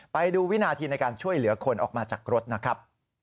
ไปดูวินาทีในการช่วยเหลือคนออกมาจากรถนะครับ